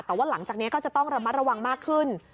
แต่ว่าหลังจากนี้ก็จะต้องระมัดระวังมากขึ้น